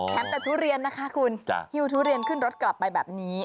อ๋อคุณแถมแต่ทุเรียนนะคะคุณค่ะฮิวทุเรียนขึ้นรถกลับไปแบบนี้